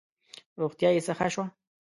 روغتیا یې څه ښه شوه.